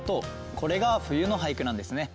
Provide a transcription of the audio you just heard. これが冬の俳句なんですね。